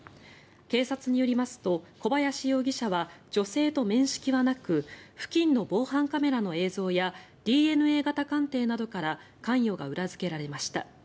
警察によりますと小林容疑者は女性と面識はなく付近の防犯カメラの映像やＤＮＡ型鑑定などから関与が裏付けられました。